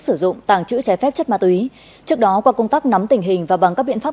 sử dụng tàng trữ trái phép chất ma túy trước đó qua công tác nắm tình hình và bằng các biện pháp